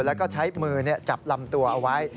แล้วก็ใช้มือจับลำตัวเอาไว้